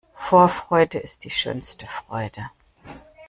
Vorfreude ist die schönste Freude.